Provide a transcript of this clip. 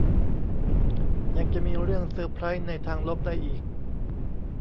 ยังจะมีเรื่องเซอร์ไพรส์ในทางลบได้อีก